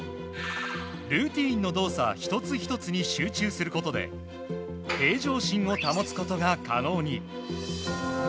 ルーティンの動作１つ１つに集中することで平常心を保つことが可能に。